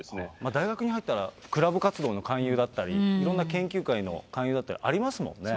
大学に入ったらクラブ活動の勧誘だったり、いろんな研究会の勧誘だったりありますもんね。